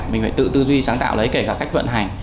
mình phải tự tư duy sáng tạo lấy kể cả cách vận hành